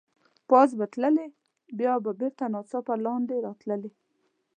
پاس به تللې، بیا به بېرته ناڅاپه لاندې راتلې.